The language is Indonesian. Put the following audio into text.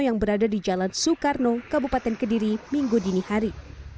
yang berada di jalan soekarno kabupaten kediri minggu dinihari